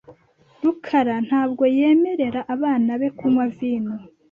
rukara ntabwo yemerera abana be kunywa vino .